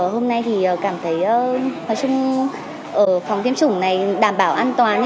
hôm nay thì cảm thấy ở phòng tiêm chủng này đảm bảo an toàn